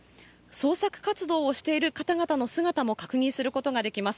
捜索活動をしている方々の姿も確認することができます。